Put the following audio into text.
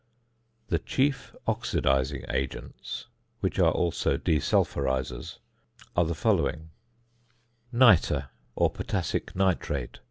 The chief oxidising agents (which are also de sulphurisers) are the following: ~Nitre~, or Potassic Nitrate.